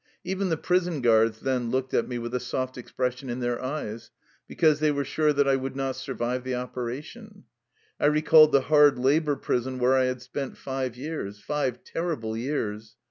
Even the prison guards then looked at me with a soft expression in their eyes, be cause they were sure that I would not survive the operation. I recalled the hard labor prison where I had spent five years, five terrible years.